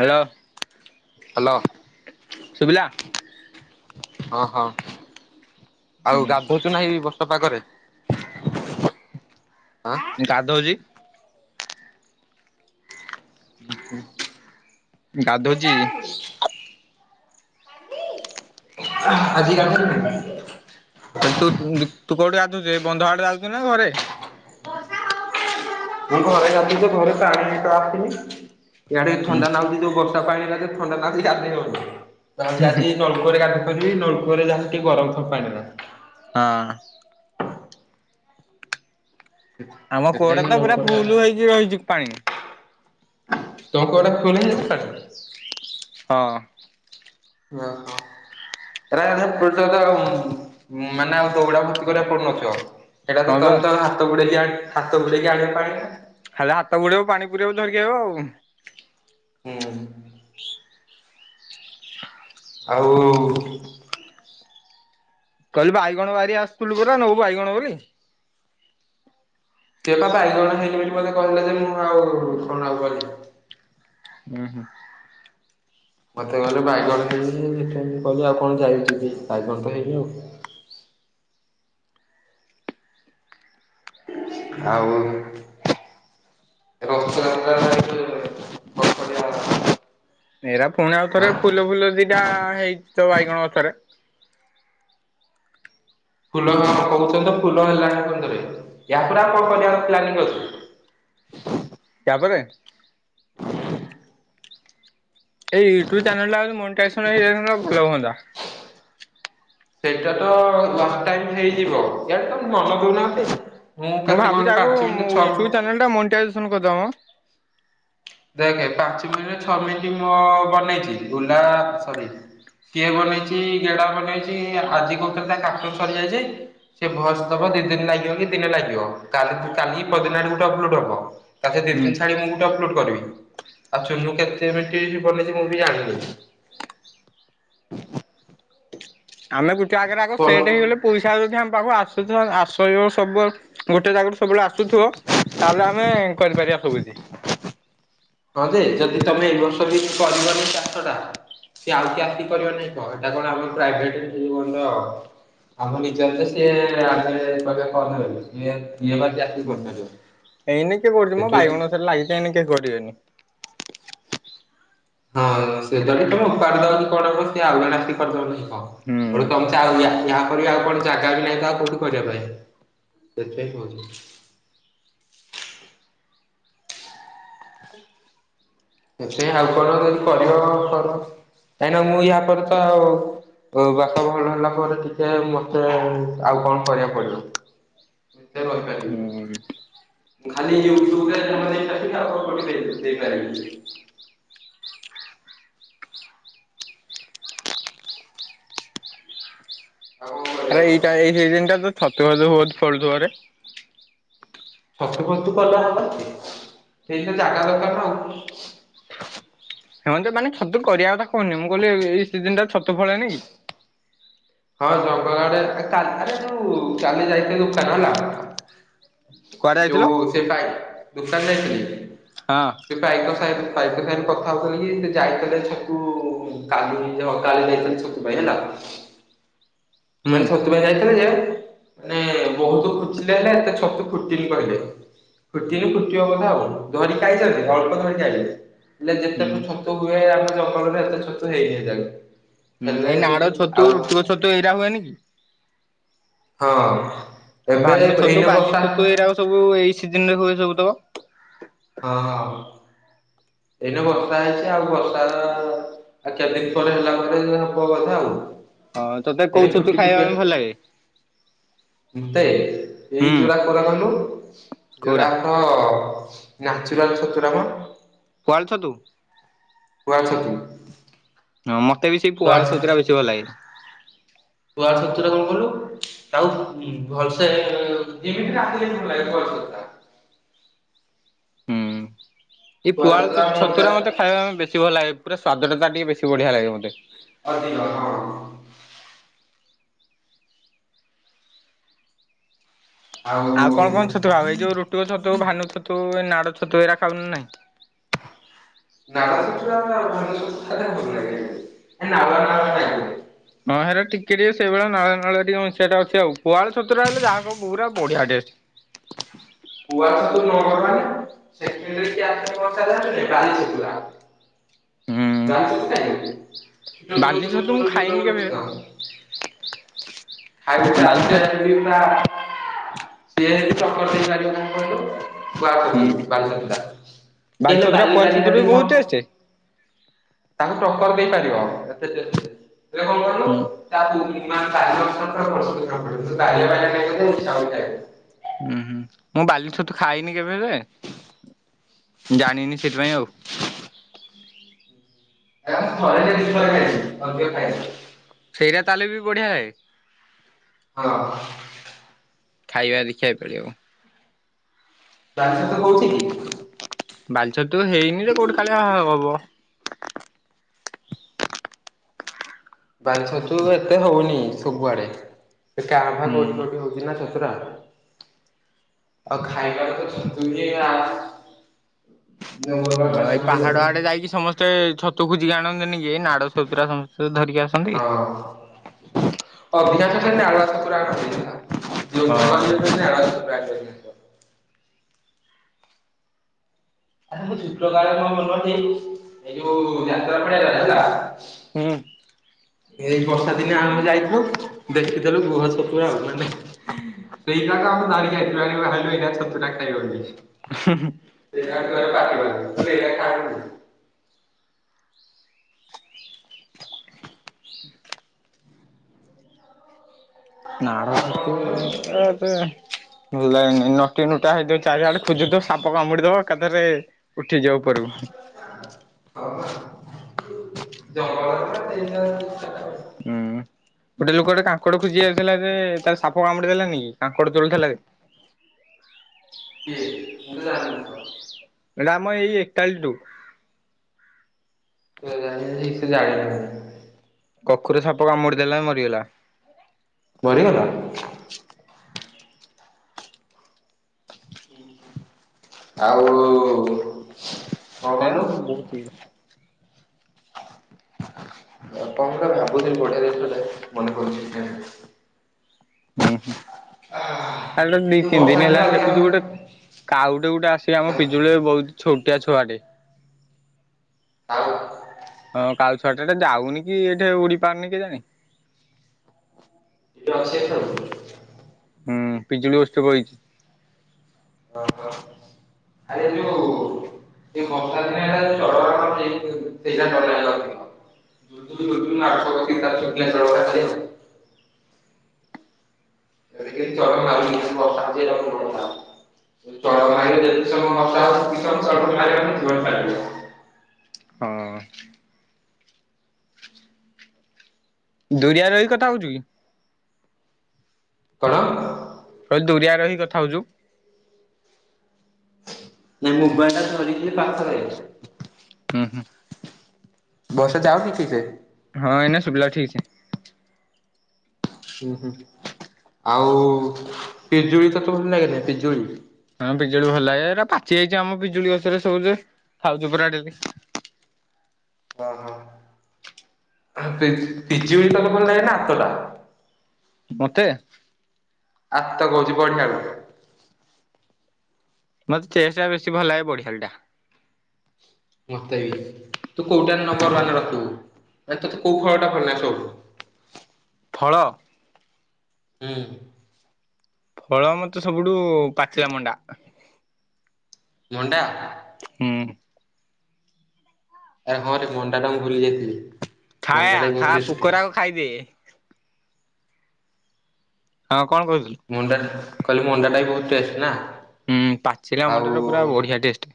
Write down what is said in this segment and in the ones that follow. ହେଳୋ hello. ଶୁଭିଲା? ହଁ, ହଁ ହୁଁ ଆଉ ଗାଧଉଚୁ ନା ଏଇ ବର୍ଷା ପାଗରେ? ଆଁ? ଗାଧୋଉଚି। ଗାଧୋଉଚି। ଆଜିି ଗାଧୋଇମି ନା। କହିଲି ତୁ ତୁଣ୍ଡୁ ତୁ କୋଉଠୁ ଗାଧୋଉଚୁ ଏ ବନ୍ଧ ଆଡରେ ଗାଧୋଉଚୁ ନା ଘରେ? ମୁଁ ଘରେ ଅଛି ଯେ ଘରେ ପାଣି ବି ତ ଆସିନି। ଇଆଡେ ହଁ ଥଣ୍ଡା ନାଗୁଚି ଯୋଉ ଗର [unintelligible] ପାଣି ରେ ଗାଧେଇବୁ ଥଣ୍ଡା ନାଗୁଚି ଯେ ଆଉ ଗାଧେଇ ହବନି ତ ହଉଚୁ ଆଜି ନଳକୂଅ ରେ ଗାଧୋଇ ପରିବି ନଳ କୂଅରେ ଯାହାହେଲେ ଟିକେ ଗରମ ଥବ ପାଣିର। ହଁ। ଆମ କୂଅ ଟା ସେଥିପାଇଁ ତ ପୁରା ନଳକୂଅରେ ଫୁଲ୍ ଗାଧେ ହେଇକି ରହିଚି ପାଣି। ତୋ କୂଅ ଟା ଫୁଲ୍ ହେଇଯାଇଚି ପା ହଁ। ନା, ହଁ। ଏଟା ଅଧେ [unintelligible] ମାନେ ଆଉ [unintelligible] ପଡୁନଥିବ। ସେଟା ହଁ ସେଇ ବା ତଳକୁ ତଳ ହାତ ବୁଡେଇକି ଆଣି, ହାତ ବୁଡେଇକି ଆଣିବ ପାଣି ନା। ହେଟା ହାତ ବୁଡେଇବୁ ପାଣି ପୂରେଇବୁ ଧରିକି ଆଇବୁ ଆଉ କଣ। ହୁଁ। ଆଉ କହିଲୁ ବାଇଗଣ ବାରି ଆସୁଥୁଲ ପରା ନବୁ ବାଇଗଣ ବୋଲି। ସିଏ ପା ବାଇଗଣ ଘେନି ମେନି ମୋତେ କହୁଲେ ଯେ ମୁଁ ଆଉ କଣ ଆଉ କରିବି। ଅଁ, ହଁ। ମୋତେ କହିଲେ ବାଇଗଣ ହେଇନି ଦେଖିଆ ମୁଁ କହିଲି ଆଉ କଣ ଯାଇ ଯିବି ବାଇଗଣ ତ ହେଇନି ଆଉ। ଆଉ ଏ [unintelligible] ଏଇରା ପୁଣି ଆଉଥରେ ଆଁ ଫୁଲ ଫୁଲ ସେଇଟା ହେଇଚି ତ ବାଇଗଣ ଗଛରେ। ଫୁଲ କଣ କୋହୁ ଅଛନ୍ତ ଫୁଲ ହେଲାଣି [unintelligible] ୟା ପରେ ଆଉ କଣ [unintelligible] ତା ପରେ [inaudible] ଏଇ ୟୁଟ୍ୟୁବ୍ ଚ୍ୟାନେଲ୍ ଟା ଆଗ ମନିଟାଇଜେସନ୍ ହେଇଯାଇଥାନ୍ତା ଯଦି ଭଲ ହୁଅନ୍ତା। ସେଇଟା ତ ଲଞ୍ଚ ଟାଇମ୍ ହେଇଯିବ। ଇଆଡେ ତ ମନ ଦଉନାହାନ୍ତି। ମୁଁ କେତେ ଭାବୁଛି କଣ ଆଗକୁ ପାଞ୍ଚ ମିନିଟ୍ ଛଅ ୟୁଟ୍ୟୁବ ଚ୍ୟାନେଲ ଟା ମନିଟାଇଜେସନ୍ କରିଦବା ମ। ଦେଖ ପାଞ୍ଚ ମିନିଟ୍ ଛଅ ମିନିଟ୍ ମୁଁ ବନେଇଚି। ବୁଲା ଛବିଶ। କିଏ ବନେଇଚି ଗେଡା ବନେଇଚି। ଆଜି କହୁଥିଲା ତା [unintelligible] ସରିଯାଇଚି। ସେ ଭଏଶ୍ ଦବ ଦି ଦିନ ଲାଗିବ କି ଦିନେ ଲାଗିବ। କାଲି କି ପଅର ଦିନ ଆଡକୁ ଗୋଟେ ଅପଲୋଡ଼ ହବ। ତା ଦି ହୁଁ ତିିନ ଛାଡ଼ି ମୁଁ ଗୋଟେ ଅପଲୋଡ଼୍ କରିବି। ଆଉ ଚୁନୁ କେତେ ମିନିଟ୍ ବନେଇଚି ମୁଁ ବି ଜାଣିନି। ଆମେ ଗୋଟେ ଆଗରେ ଆଗ ସେଟ ବନ ହେଇଗଲେ ପଇସା ଯଦି ଆମ ପାଖକୁ ଆସୁଥିବ ଆସ ସବୁ ଗୋଟେ ଜାଗା ସବୁବେଳେ ଆସୁଥିବ, ତାହେଲେ ଆମେ କରିପାରିବା ସବୁକିଛିି। ହଁ ଯେ ଯଦି ତମେ ଏଇ ବର୍ଷ ବି କରିବନି ଚାଷ ଟା ସେ ଆଉ କିଏ ଆସି କରିବ ନା କଣ। ସେଟା କଣ ଆମ ପ୍ରାଇଭେଟ୍। [unintelligible] ଆମ ନିଜର ତ ସିଏ। [unintelligible] ହୁଁ, ଏଇନେ କିଏ କରୁଚି ମ ସେଥିପାଇଁ ବାଇଗଣ ଗଛ ରେ ଲାଗିସାରିନି କିଏ କରିବେନି। ହଁ ସେ ଯଦି ତମେ ଓପାଡ଼ିଦବ ଯଦି କଡୁ କଡୁ ସେ ଆଉ ଜଣେ ଆସି କରିଦବ। ହଁ। ହୁଁ [unintelligible] କହିଲି ଆଉ କଣ ଜାଗା ବି ନାହିଁ ତ ଆଉ କୋଉଠି କରିବାପାଇଁ ସେଇଥିପାଇଁ କହୁଚି। ଦେଖିଆ ଆଉ କୋଉଦିନ ଯଦି କରିବ କର। କାହିଁକି ନା ମୁଁ ୟାପରେ ତ ଆଉ ଅ ବାପା ଭଲ ହେଲା ପରେ ଦେଖିଆ ମତେ ଆଉ କଣ କରିବାକୁ ପଡିବ। [unintelligible] ହୁଁ। ମୁଁ ଖାଲି ୟୁଟ୍ୟୁବ୍ ରେ [unintelligible] ଆଉ କୋଉଠି ଦେଇପାରିବିନି। ଆଉ କରିବା ଆରେ କହ? ଏଇଟା ଏଇ ସିଜିନ ଟା ତ ଛତୁ ଫତୁ ବହୁତ୍ ଫଳୁ ଥିବ ରେ? ଛତୁ ଫତୁ କଲ ହବ ଯେ, ସେତିଆ ଜାଗା ଦରକାର ନା ଆଉ। ସେମାନେ ଯୋଉ ମାନେ ଛତୁ କରିବା କଥା କହୁନି। ମୁଁ କହିଲି ଏଇ ସିଜିନ୍ ଟା ରେ ଛତୁୁ ଫଳେନି କି। ହଁ ଜଙ୍ଗଲ ଆଡେ କା ଆରେ ଯୋଉ କାଲି ଯାଇଥିଲୁ [unintelligible] ହେଲା। କୁଆଡେ ଯାଇଥିଲ? ଯୋଉ ସେ [unintelligible] ଦୋକାନ ଯାଇଥିଲେ। ହଁ। ସେ ପାଇକ ସାଙ୍ଗେ ସେ ପାଇକ ସାଙ୍ଗେ କଥା ହଉଥିଲି କି ସେ ଯାଇଥିଲେ ଛକ କୁ କାଲି [unintelligible] ଛକ। [unintelligible] ମୁଁ ହୁଁ। ଆଜି ଛତୁ ପାଇଁ ଯାଇଥିଲେ ଯେ ମାନେ ବହୁତ ଖୁଚିଲେ ହେଲେ ଏତେ ଛତୁ ଫୁଟିନ କହିଲେ। ଫୁଟିନି ଫୁଟିବ କହିଲା ଆଉ। [unintelligible] ଅଳ୍ପ ଧରିକି ଆଇଲେ। ହେଲେ ଯେତେକ ହୁଁ। ଛତୁ ହୁଏ ଆମ ଜଙ୍ଗଲରେ ହେତେ ଛତୁ ହେଇନି ଏଯାଏଁ। ହୁଁ, ଏଇ ହେଲେ ଯେ ନାଡ ଛତୁ, ଆଉ ରୁଟୁକ ଛତୁ ଏଇରା ହୁଏନି କି? ହଁ। ଏବେ ଭାନୁ ଛତୁ, ଏଇନେ ବାଲି ବର୍ଷା ଛତୁ ଏଇରାକ ସବୁ ଏଇ ସିଜନ ରେ ହୁଏ ସବୁ ତକ। ହଁ ହଁ। ଏଇନେ ବର୍ଷା ହେଇଚି ଆଉ ବର୍ଷା ଆଉ କେତେ ଦିନ ପରେ ହେଲା ପରେ ହବ ବୋଧେ ଆଉ। ହଁ ତୋତେ ଏଇନେ କୋଉ ଛତୁ ଫୁଟି ଫୁଟି ଖାଇବା ପାଇଁ ଭଲ ଲାଗେ? ମତେ, ଏଇ ହୁଁ ଯୋଉରା କୋଉରା କହିଲୁ, କୋଉରା ଯୋଉରା ହଁ। ନାଚୁରାଲ୍ ଛତୁ ଟା ଭଲ। ପୁଆଳୁ ଛତୁ। ପୁଆଳୁ ଛତୁ ନୁହଁ। ହଁ ମତେ ବି ସେଇ ପୁଆଳ ଛତୁରା ବେଶୀ ଭଲ ଲାଗେ। ପୁଆଳୁ ଛତୁ ଗୁରା କଣ କହିଲୁ ତାକୁ ଭଲସେ ଯେମିତି ରାନ୍ଧିଲେ ବି ଭଲ ଲାଗେ ପୁଆଳୁ ଛତୁ। ହୁଁ। ଏଇ କୁଆ ଛତୁର ପୁଆଳୁ ମଜା ଛତୁରା ମତେ ଖାଇବା ପାଇଁ ବେଶୀ ଭଲ ଲାଗେ। ପୁରା ସ୍ୱାଦଟା ତାର ଟିକେ ବେଶୀ ବଢିଆ ଲାଗେ ମତେ। [unintelligible] ଆଉ କଣ କଣ ଛତୁ ଆଉ ହବ? ଏଇ ଯୋଉ ରୁଟୁକ ଛତୁ, ଭାନୁ ଛତୁ, ଏଇ ନାଡ ଛତୁ, ଏଇରା ଖାଉନି ନା ନାଇଁ? ନାଡ଼ ଛତୁଟା ଭାନୁ ଛତୁଠାରୁ ଭଲ ଲାଗେ। ଏ ନାଳୁଆ ନାଳୁଆ ଲାଗେ। ହଁ ହେଇରା ଟିକେ ଟିକେ ସେଇଭଳିଆ ନାଳୁଆ ନାଳୁଆ ଟିକେ ମିଶିଆଟା ଅଛି ଆଉ। କୁଆଳ ଛତୁଟା ହେଲେ ଯାହା କୁହ ପୁରା ବଢିଆ ଟେଷ୍ଟ। କୁଆ ଛତୁ ନଗର ମାନେ ସେ [unintelligible] କିଏ ଆସିନି ବର୍ଷାରେ ଯାଉ ବାଲି ଛତୁ ଗୁରା ହଁ ହୁଁ ବାଲି ଛତୁ କାଇଁ? ଛୋଟ ବାଲି ଛୋଟ ଛତୁ ଛୋଟ ମୁଁ ଛୋଟ ଖାଇନି ଛୋଟ କେବେ ଅଛି ତ। ବାଲି [unintelligible] ଛତୁ [unintelligible] କଣ କହିଲୁ? [unintelligible] ବାଲି ଛତୁଟା, ହୁଁ କିଏ ହେଲେ ଛତୁରା ପୁଆଳ ବାଲି ଛତୁରୁ ବି ବହୁତ ବାଲି ଟେଷ୍ଟ। [unintelligible] ତାଙ୍କୁ ଟକ୍କର ଦେଇପାରିବ। [unintelligible] ହେଲେ କଣ କହନି ହୁଁ। [unintelligible] ହୁଁ-ହୁଁ। ମୁଁ ବାଲି ଛତୁ ଖାଇନି କେବେ ହେଲେ ହେ, ଜାଣିନି ସେଇଥିପାଇଁ ଆଉ। ମୁଁ ଥରେ କି ଦିଥର ଖାଇଚି, ଅଧିକ ଖାଇନି। ସେଇରା ତାହେଲେ ବି ବଢିଆ ହଏ? ହଁ। ଖାଇବା ଦେଖି ଆଇ ପାରିବ। ବାଲି ଛତୁ ହଉଛି କି? ବାଲି ଛତୁ ହେଇନି ଯେ, କୋଉଠି କାଳିଆ ଆ ହବ? ବାଲି ଛତୁ ଏତେ ହଉନି ସବୁଆଡେ। ଏ କା ମ୍ଭା ହୁଁ କୋଉଠି କୋଉଠି ହଉଛି ନା ଛତୁରା। ଆଉ ଖାଇବାକୁ ତ ଛତୁ ହିଁ ଆ ଓ ଭାଇ ଆଉ। ପାହାଡ ଆଡେ ଯାଇକି ସମସ୍ତେ ଛତୁ ଖୋଜିକି ଆଣନ୍ତିନି କି, ଏଇ ନାଡ ଛତୁରା ସମସ୍ତେ ଧରିକି ଆସ ହଁ ଅଧିକାଂଶ ସେଇ ନାଳୁଆ ଛତୁ ଗୁରା ଆଣନ୍ତି ହେଲା। [unintelligible] ହଁ ନାଳୁଆ ଛତୁଟା ଆଣି ପାଇଁଲିନି। ଆଚ୍ଛା। ମୁଁ ଶୁକ୍ରବାର [unintelligible] ଏଇ ଯୋଉ ଯାତ୍ରା ପଡିଆରେ ହେଲା ହୁଁ। ଏଇ ବର୍ଷା ଦିନେ ଆମେ ଯାଇଥିଲୁ, ଦେଖିଥିଲୁ ଗୃହ ଛତୁ ଗୁରା ଆଉ ମାନେ ସେଇଟା ତ ଆମେ ଧରିକି ଆଇଥିଲୁ [unintelligible] ଏଇଟା ଛତୁଟା ଖାଇବା ବୋଲି। ହୁଁ ହୁଁ। [unintelligible] [inaudible] ନାଡ ଆଉ କଣ ଛତୁ କହିଲୁ ଏରା ଏତେ ନଟି ନୁଟା ହେଇଯାଉଛି। ଚାରିଆଡେ ଖୋଜୁଥିବ ସାପ କାମୁଡିଦବ ଏକାଥରେ, ଉଠିଯିବ ଉପରକୁ। [unintelligible] ଜଙ୍ଗଲରେ ସେଇ ହିସାବରେ [unintelligible] ହୁଁ ଗୋଟେ ଲୋକଟେ କାଙ୍କଡ ଖୋଜି ଯାଉଥିଲା ଯେ, ତାକୁ ସାପ କାମୁଡି ଦେଲାନି କି? କାଙ୍କଡ଼ ତୋଳୁଥିଲା କେ କିଏ, ମୁଁ ତ ଜାଣିନି? ଏଇଟା ଆମ ଏଇ ଏକତାଳିଟୁ। [unintelligible] ଜାଣିନି। ଗୋଖୁର ସାପ କାମୁଡ଼ି ଦେଲା ମରିଗଲା। ମରିଗଲା? ଆଉ ଏୟା କଣ ଆଉ ବହୁତ ଇଏ। ଆପଣଙ୍କ କଥା ଭାବୁଥିଲି, ବଢ଼ିଆ ଜିନିଷଟାଏ ମନେ ପଡ଼ୁନି [unintelligible] ହୁଁ ହୁଁ। ଆ ତ ଦି ଏ ତିନ ବର୍ଷା ଦିନି ଦିନ ହେଲାଣି ଅଧିକା ଦେଖୁଛୁ ଗୋଟେ ହୁଏ କାଉଟେ ଗୋଟେ ଆସିକି ଆମ ପିଜୁଳିରେ ବଉଚି, ଛୋଟିଆ ଛୁଆଟେ। କାଉ? ହଁ କାଉ ଛୁଆଟା ଏଟା ଯାଉନି କି, ଏଠି ଉଡ଼ିପାରୁନି କେଜାଣି? ସିଟି ଅଛି ଯେଦି ଥାଉ। ହୁଁ। ପିଜୁଳି ଗଛେ ବଇଚି। ଓ ହୋ। ଆରେ ଯୋଉ ଏଇ ବଷା ଦିନିଆଟା [unintelligible] ସେଇଟା [unintelligible] [unintelligible] [unintelligible] ବର୍ଷା [unintelligible] ଚଡ଼କ ମାରିଲେ ଯେତେ ସବୁ [unintelligible] ହଁ। ଦୁରିଆ ରେ ରହି କଥା ହଉଛୁ କି? କଣ? କହିଲି ଦୁରିଆରେ ରହି କଥା ହଉଛୁ। ମୁବାଇଲିଟା ଧରିକି ପାଖରେ। ହୁଁ ହୁଁ। ବସ୍ [unintelligible] ହଁ ଏଇନା ଶୁଭିଲା ଠିକ୍ ସେ। ହୁଁ ହୁଁ ଆଉ ପିଜୁଳି ତତେ ଭଲ ଲାଗେନି ପିଜୁଳି? ହଁ ପିଜୁଳି ଭଲ ଲାଗେ ଏରା ପାଚି ଯାଇଛି ଆମ ପିଜୁଳି ଗଛରେ ସବୁ ଯେ ଖାଉଛୁ ପୁରା ଡେଲି। ଅ ହୋ। ପିଜ୍ ପିଜୁଳି ତତେ ଭଲ ଲାଗେ ନା ଆତଟା‌? ମତେ ଆତ କହୁଛି ବଢ଼ିଆ [unintelligible] ମତେ ଟେଷ୍ଟ୍ ଟା ବେଶୀ ଭଲ ଲାଗେ [unintelligible] ଟା। ମତେ ବି ତୁ କୋଉଟା [unintelligible] ରଖିବୁ ଆ ତୋତେ କୋଉ ଫଳଟା ଭଲଲାଗେ ସବୁଠୁ? ଫଳ। ହୁଁ। ଫଳ ମତେ ସବୁଠୁ ପାଚିଲା ମଣ୍ଡା। ମଣ୍ଡା ହୁଁ। ଆରେ ହଁ ରେ ମଣ୍ଡା ଟା ମୁଁ ଭୁଲି ଯାଇଥିଲି। [unintelligible] ମଣ୍ଡାଟା ବି ବହୁତ ଖା ଟେଷ୍ଟ ପୋକରା କୁ ଖାଇ [unintelligible] ହଁ କଣ କହିଥିଲୁ? ଭଣ୍ଡା ମୁଁ କହିଲି ଭଣ୍ଡାଟା ବି ବହୁତ୍ ଟେଷ୍ଟ ନା। ହୁଁ ପାଚିଲା ଆଉ ଭଣ୍ଡା ଟା ପୁରା ବଢ଼ିଆ ଟେଷ୍ଟ୍।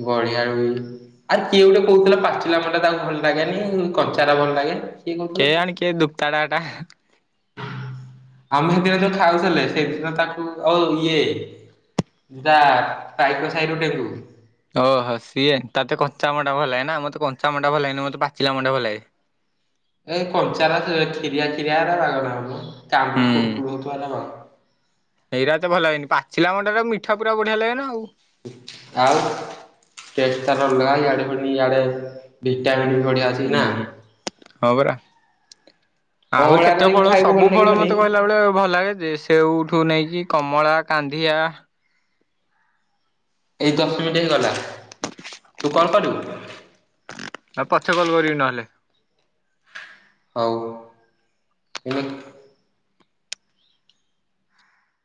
[unintelligible] ଆରେ କିଏ ଗୋଟେ କହୁଥିଲା ପାଚିଲା ଭଣ୍ଡା ତାକୁ ଭଲ ଲାଗେନି କଞ୍ଚାଟା ଭଲ ଲାଗେ। କିଏ କହୁଥିଲା? କେଆଣି କିଏ [unintelligible] ଆମେ ହେଦିନ ଯୋଉ ଖାଉଥିଲେ ସେଇଦିନ ତାକୁ ଓ ଇଏ। ତା ପାଇକ ସାହି ରୁ [unintelligible] ଓହୋ ସିଏ ତତେ କଞ୍ଚାଭଣ୍ଡା ଭଲ ଲାଗେ ନା ମତେ କଞ୍ଚାଭଣ୍ଡା ଭଲ ଲାଗେନି ମତେ ପାଚିଲାଭଣ୍ଡା ଭଲ ଲାଗେ। ଉଁ କଞ୍ଚା ରା ଖିରିଆ ଖିରିଆ ହେରା ବାଗ ନାଗୁ [unintelligible] ହୁଁ ହଉଥିବ ହେରା [unintelligible] ଏଇରା ଏତେ ଭଲ ଲାଗେନି ପାଚିଲା ଭଣ୍ଡାରେ ମିଠା ପୁରା ବଢ଼ିଆ ଲାଗେନ ଆଉ‌। ଆଉ ଟେଷ୍ଟ୍ ତାର ଅଲଗା ଇଆଡ଼େ ପୁଣି ଇଆଡ଼େ ଭିଟାମିନ୍ ବଢ଼ିଆ ହୁଁ ହୁଁ ହଁ ପରା। ଆହୁରି ଅଁଳାରେ କେତେ ଯାଇକି ଫଳ ଖାଇବାକୁ ଭଲ ସବୁ ଫଳ ଲାଗିବନି ମତେ କହିଲା ଭଳିଆ ଭଲ ଲାଗେ [unintelligible] ସେଉଠୁ ନେଇକି କମଳା, କାନ୍ଧିଆ ଏଇ ଦଶ ମିନିଟ୍ ହେଇଗଲା ତୁ କଣ କରିବୁ? ଆ ପଛେ କଲ୍ କରିବି ନହେଲେ। ହଉ ହୁଁ।